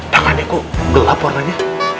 takannya kok gelap warnanya